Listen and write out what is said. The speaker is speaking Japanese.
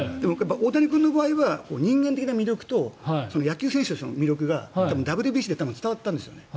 大谷君の場合は人間的な魅力と野球選手としての魅力がＷＢＣで伝わったんですよね。